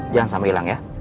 jangan sampai hilang ya